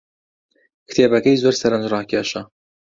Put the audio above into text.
کتێبەکەی زۆر سەرنجڕاکێشە.